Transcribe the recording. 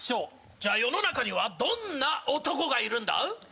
じゃあ世の中にはどんな男がいるんだ？